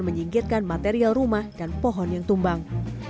menyingkirkan material rumah dan pohon yang tumbang